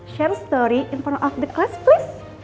berbagi cerita di depan kelas tolong